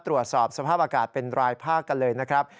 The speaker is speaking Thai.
ตรวจสอบสภาพอากาศเป็นรายภาคกันเลยนะครับ